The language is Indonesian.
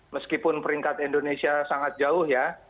meskipun peringkat indonesia sangat jauh ya